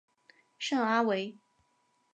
圣阿维。